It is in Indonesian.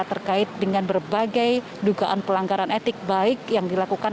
terkait dengan berbagai dugaan pelanggaran etik baik yang dilakukan